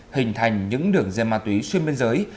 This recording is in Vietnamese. hình thành những đường dây ma túy xuyên biên giới